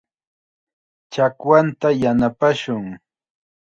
Chakwanta yanapashun.